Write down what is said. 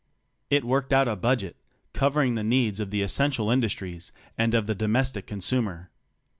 It worked out a budget covering the needs of the essential industries and of the domestic consumer.